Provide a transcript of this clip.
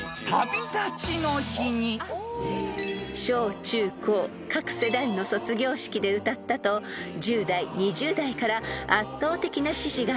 ［小中高各世代の卒業式で歌ったと１０代２０代から圧倒的な支持が集まりました］